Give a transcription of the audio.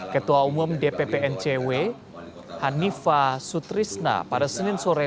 ketua umum dpp ncw hanifa sutrisna pada senin sore